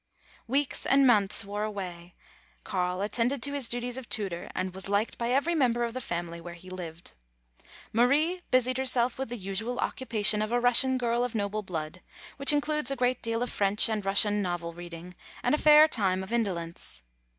Weeks and months wore away. Carl attended to his duties of tutor, and was liked by every mem ber of the family where he lived. Marie busied her self with the usual occupation of a Russian girl of noble blood, which includes a great deal of French and Russian novel reading, and a fair amount of indolence.